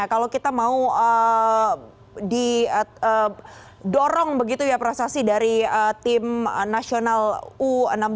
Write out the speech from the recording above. kalau kita mau didorong begitu ya prestasi dari tim nasional u enam belas